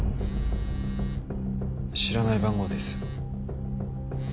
知らない番号です。